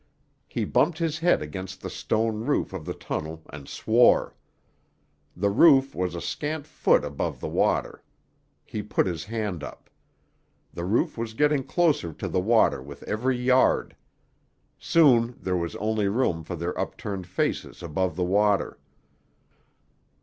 He bumped his head against the stone roof of the tunnel and swore. The roof was a scant foot above the water. He put his hand up. The roof was getting closer to the water with every yard. Soon there was only room for their upturned faces above the water.